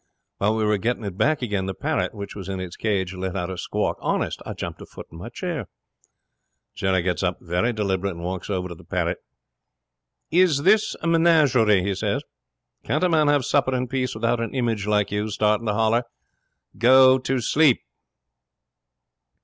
'While we were getting it back again the parrot, which was in its cage, let out a squawk. Honest, I jumped a foot in my chair. 'Jerry gets up very deliberate, and walks over to the parrot. "Is this a menagerie?" he says. "Can't a man have supper in peace without an image like you starting to holler? Go to sleep."